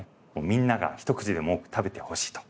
みんながひと口でも多く食べてほしいと。